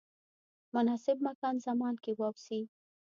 مناسب مکان زمان کې واوسئ.